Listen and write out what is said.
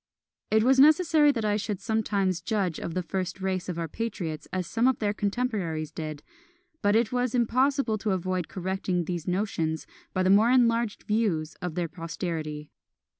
It was necessary that I should sometimes judge of the first race of our patriots as some of their contemporaries did; but it was impossible to avoid correcting these notions by the more enlarged views of their posterity.